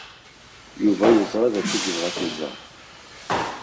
Yuba yeẓra d acu ay yebɣa ad t-iẓer.